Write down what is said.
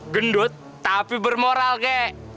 gendut tapi bermoral kakek